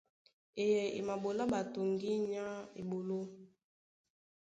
Eyɛy é maɓolá ɓato ŋgínya á eɓoló.